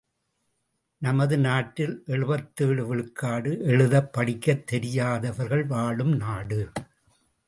நமது நாட்டில் எழுபத்தேழு விழுக்காடு எழுதப் படிக்கத் தெரியாதவர்கள் வாழும் நாடு.